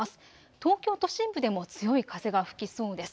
東京都心部でも強い風が吹きそうです。